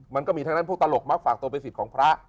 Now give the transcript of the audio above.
มันก็มีทั้งนั้นผู้ตลกมักฝากตัวเป็นสิทธิ์ของพระ